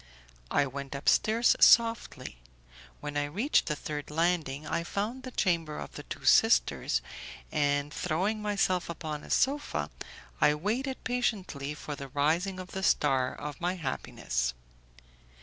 I went upstairs softly: when I reached the third landing I found the chamber of the two sisters, and, throwing myself upon a sofa, I waited patiently for the rising of the star of my happiness.